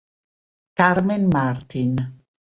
Carmen Martín